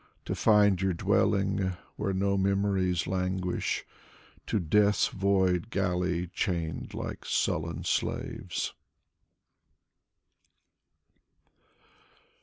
To find your dwelling where no memories languish. To Death's void galley chained like sullen slaves.